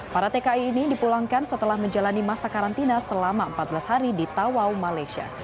para tki ini dipulangkan setelah menjalani masa karantina selama empat belas hari di tawau malaysia